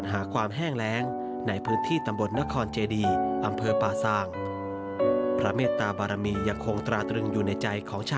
จากทรงบากบเอแฟฟอินจินเดช